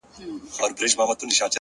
غوږ سه ورته!!